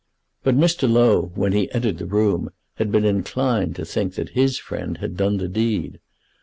But Mr. Low, when he entered the room, had been inclined to think that his friend had done the deed.